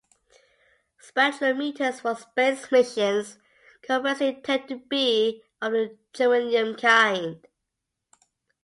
Spectrometers for space missions conversely tend to be of the germanium kind.